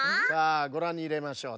ごらんにいれましょう。